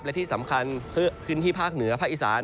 และที่สำคัญพื้นที่ภาคเหนือภาคอีสาน